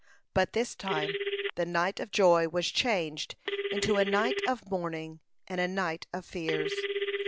But this time the night of joy was changed into a night of mourning and a night of fears.